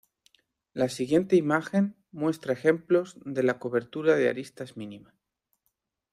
La siguiente imagen muestra ejemplos de la cobertura de aristas mínima.